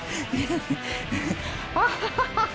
ハハハハ！